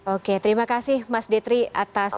oke terima kasih mas detri atas